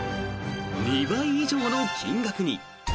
２倍以上の金額に。